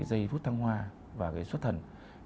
giây phút thăng hoa và cái xuất thần